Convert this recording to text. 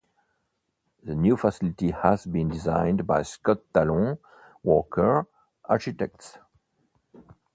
The new facility has been designed by Scott Tallon Walker architects.